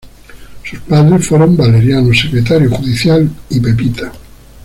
Sus padres fueron Valeriano, secretario judicial, y Pepita.